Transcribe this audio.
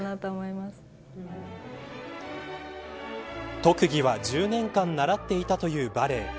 特技は１０年間習っていたというバレエ。